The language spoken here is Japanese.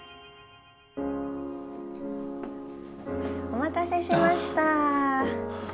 お待たせしました。